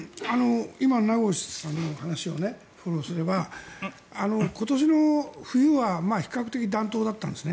今の名越さんのお話をフォローすれば今年の冬は比較的暖冬だったんですね。